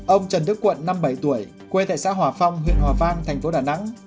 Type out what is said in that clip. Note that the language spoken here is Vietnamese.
ông trần đức quận năm mươi bảy tuổi quê tại xã hòa phong huyện hòa vang thành phố đà nẵng